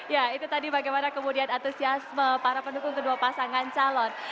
ya itu tadi bagaimana kemudian antusiasme para pendukung kedua pasangan calon